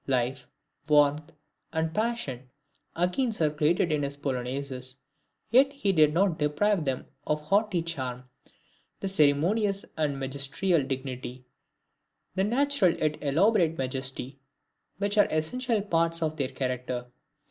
Life, warmth, and passion again circulated in his Polonaises, yet he did not deprive them of the haughty charm, the ceremonious and magisterial dignity, the natural yet elaborate majesty, which are essential parts of their character.